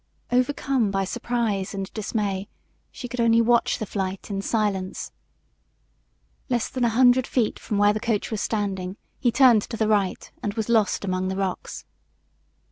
Overcome by surprise and dismay, she only could watch the flight in silence. Less than a hundred feet from where the coach was standing he turned to the right and was lost among the rocks.